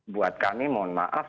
buat kami mohon maaf